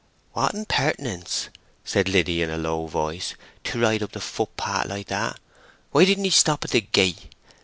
"What impertinence!" said Liddy, in a low voice. "To ride up the footpath like that! Why didn't he stop at the gate?